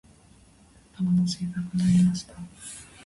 スタバの新作飲みました？